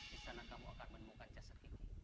di sana kamu akan menemukan jasad kiki